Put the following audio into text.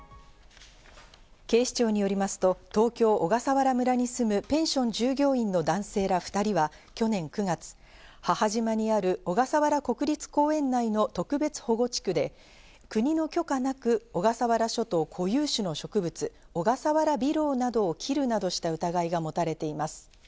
警視庁によりますと東京・小笠原村に住むペンション従業員の男性ら２人は去年９月、母島にある小笠原国立公園内の特別保護地区で、国の許可なく小笠原諸島固有種の植物オガサワラビロウなどを切るなどした疑いがもたれています。